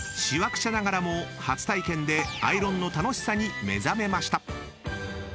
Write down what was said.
［シワくちゃながらも初体験でアイロンの楽しさに目覚めました］